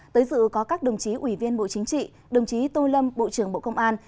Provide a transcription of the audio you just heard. tới dự có các đồng chí ủy viên bộ chính trị đồng chí tô lâm bộ trưởng bộ công an